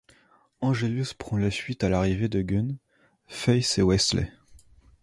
Angelus prend la fuite à l'arrivée de Gunn, Faith et Wesley.